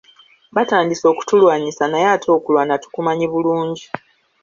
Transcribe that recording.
Batandise okutulwanyisa naye ate okulwana tukumanyi bulungi.